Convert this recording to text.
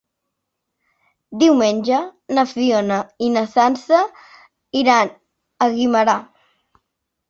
Diumenge na Fiona i na Sança iran a Guimerà.